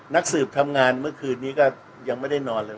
นักสืบทำงานเมื่อคืนนี้ก็ยังไม่ได้นอนเลย